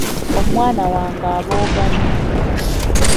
Omwana wange abooga nnyo.